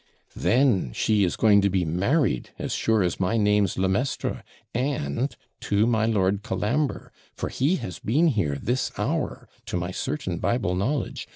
'Then she is going to be married, as sure as my name's Le Maistre, and to my Lord Colambre; for he has been here this hour, to my certain Bible knowledge.